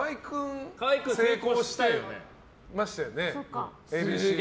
河合君、成功してましたよね。